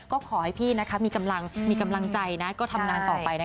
ก็ขอให้พี่มีกำลังใจนะก็ทำงานต่อไปนะคะ